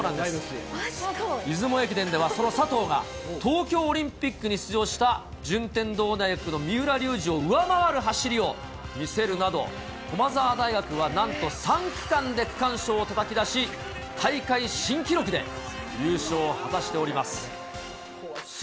出雲駅伝ではその佐藤が、東京オリンピックに出場した順天堂大学の三浦龍司を上回る走りを見せるなど、駒澤大学はなんと３区間で区間賞をたたき出し、大会新記録で優勝を果たしております。